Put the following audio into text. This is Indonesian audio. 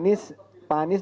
intinya pak anies